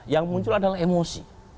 yang muncul adalah emosi